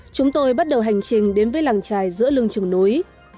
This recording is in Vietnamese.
chúng tôi bắt đầu hành trình đến với làng trài giữa lưng trường núi